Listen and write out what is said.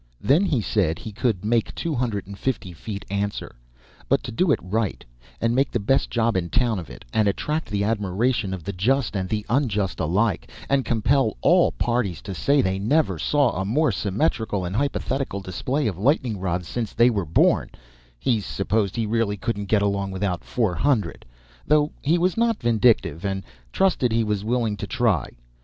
Then he said he could make two hundred and fifty feet answer; but to do it right, and make the best job in town of it, and attract the admiration of the just and the unjust alike, and compel all parties to say they never saw a more symmetrical and hypothetical display of lightning rods since they were born, he supposed he really couldn't get along without four hundred, though he was not vindictive, and trusted he was willing to try.